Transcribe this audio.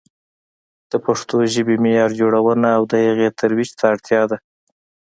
د پښتو ژبې معیار جوړونه او د هغې ترویج ته اړتیا ده.